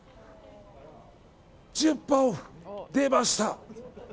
１０％オフ！出ました。